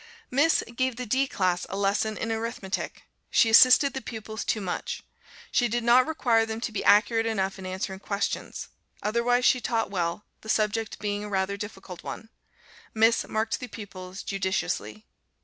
Miss gave the D class a lesson in Arithmetic. She assisted the pupils too much. She did not require them to be accurate enough in answering questions; otherwise she taught well, the subject being rather a difficult one. Miss marked the pupils judiciously.